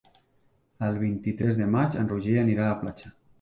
El vint-i-tres de maig en Roger anirà a la platja.